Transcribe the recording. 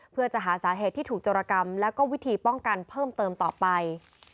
เพื่อจะหาสาเหตุที่ถูกโจรกรรมแล้วก็วิธีป้องกันเพิ่มเติมต่อไป